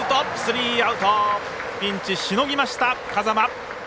ピンチしのぎました、風間。